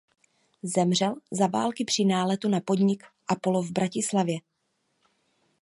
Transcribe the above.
Zemřel za války při náletu na podnik Apollo v Bratislavě.